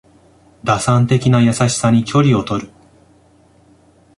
打算的な優しさに距離をとる